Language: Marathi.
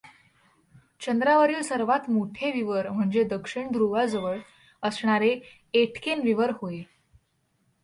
चंद्रावरील सर्वांत मोठे विवर म्हणजे दक्षिण ध्रुवाजवळ असणारे एटकेन विवर होय.